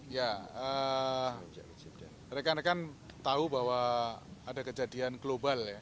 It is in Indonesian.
ya rekan rekan tahu bahwa ada kejadian global ya